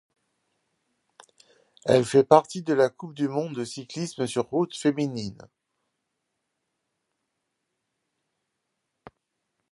Elle fait partie de la Coupe du monde de cyclisme sur route féminine.